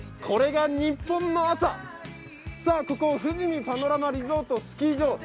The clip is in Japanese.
これがニッポンの朝、ここ、富士見パノラマリゾートスキー場。